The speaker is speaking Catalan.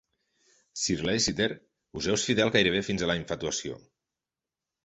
Sir Leicester us és fidel gairebé fins a la infatuació.